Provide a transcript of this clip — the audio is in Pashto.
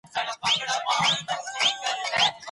ته باید ګټور کتابونه ولولې.